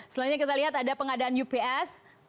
selanjutnya kita lihat ada pengadaan ups